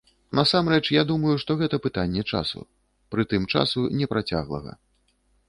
Насамрэч я думаю, што гэта пытанне часу, прытым часу непрацяглага.